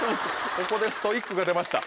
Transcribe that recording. ここでストイックが出ました。